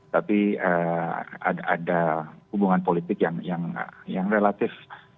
tapi ada hubungan politik yang relatif